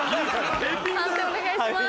判定お願いします。